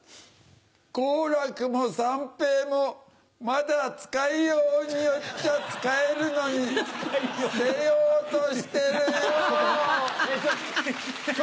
好楽も三平もまだ使いようによっちゃ使えるのに捨てようとしてるよ。